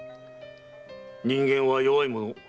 人間は弱いもの。